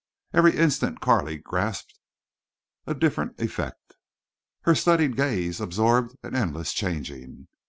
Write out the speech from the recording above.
Every instant Carley grasped a different effect. Her studied gaze absorbed an endless changing.